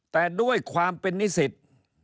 แต่ด้วยความเป็นนิสิต